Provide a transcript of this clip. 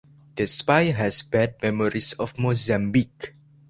The spy has bad memories of Mozambique.